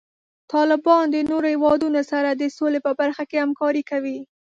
طالبان د نورو هیوادونو سره د سولې په برخه کې همکاري کوي.